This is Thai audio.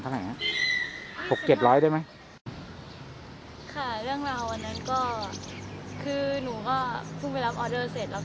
อ่อถึง๒๕ออเดอร์ต่อวันอืมบางคนที่เยอะสุดนี้เท่าไร